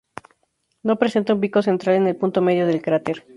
No presenta un pico central en el punto medio del cráter.